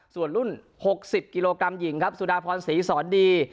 ส่วนรุ่น๖๐กิโลกรัมหญิงครับสุดาพรศรีสอนดี